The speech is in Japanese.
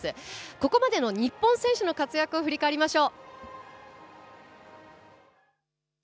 ここまでの日本選手の活躍を振り返りましょう。